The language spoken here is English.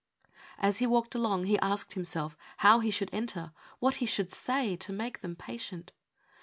As he walked along he asked him self how he should enter, what he should say to make them patient.